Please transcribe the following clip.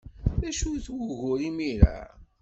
D acu-t wugur imir-a?